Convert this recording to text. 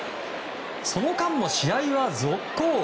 その間も試合は続行。